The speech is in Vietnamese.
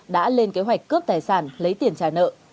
đã lên kế hoạch cướp tài sản lấy tiền trả nợ